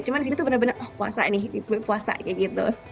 cuma di sini tuh bener bener oh puasa nih puasa kayak gitu